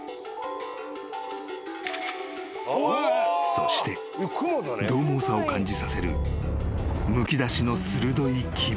［そしてどう猛さを感じさせるむき出しの鋭い牙］